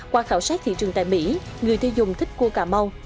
qua khảo sát thị trường tại mỹ người tiêu dùng thích cua cà mau